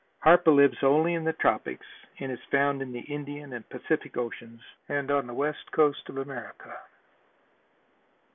Harpa lives only in the tropics and is found in the Indian and Pacific Oceans and on the west coast of America.